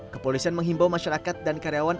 kepolisian menghimbau masyarakat dan karyawan